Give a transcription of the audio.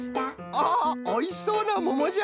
おおいしそうなももじゃ。